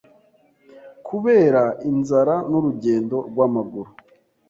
kubera inzara n’urugendo rw’amaguru